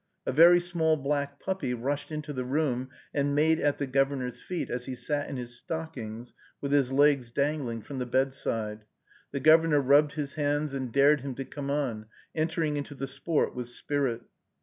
A very small black puppy rushed into the room and made at the Governor's feet, as he sat in his stockings with his legs dangling from the bedside. The Governor rubbed his hands and dared him to come on, entering into the sport with spirit.